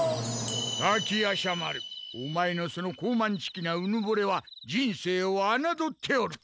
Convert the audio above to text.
滝夜叉丸オマエのその高まんちきなうぬぼれは人生をあなどっておる。